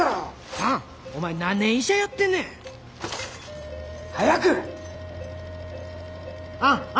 サンお前何年医者やってんねん！早く！